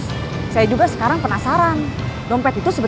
saya juga bebes andado